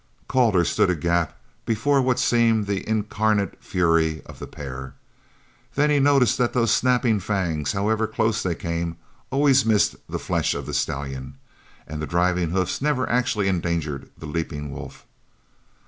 Calder stood agape before what seemed the incarnate fury of the pair. Then he noticed that those snapping fangs, however close they came, always missed the flesh of the stallion, and the driving hoofs never actually endangered the leaping wolf.